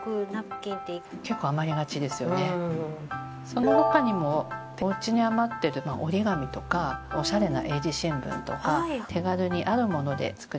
その他にもおうちに余ってる折り紙とかおしゃれな英字新聞とか手軽にある物で作れます。